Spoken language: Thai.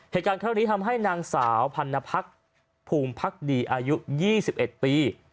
เหตุการณ์นี้ทำให้นางสาวพันนพักภูมิพักดีอายุ๒๑ปี